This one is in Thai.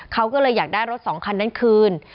เขาก็เลยอยากได้รถสองคันนั้นคืน